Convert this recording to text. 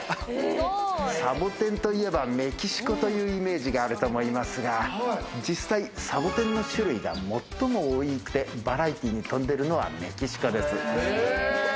サボテンといえばメキシコというイメージがあると思いますが、実際サボテンの種類が最も多くて、バラエティーに富んでいるのはメキシコです。